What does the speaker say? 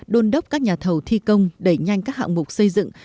đôn đốc các nhà thầu thi công đẩy nhanh các hạng mục xây dựng